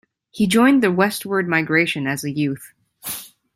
He joined the westward migration as a youth.